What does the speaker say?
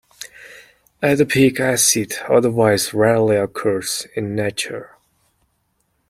Adipic acid otherwise rarely occurs in nature.